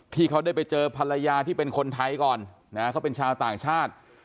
ที่เขาได้ไปเจอภรรยาที่เป็นคนไทยก่อนนะเขาเป็นชาวต่างชาติ